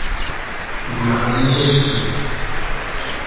Vous la ramènerez, dit-il.